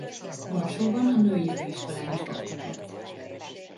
Varsóban a női főiskolán is oktatott.